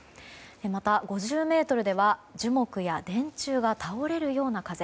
また、５０メートルでは樹木や電柱が倒れるような風。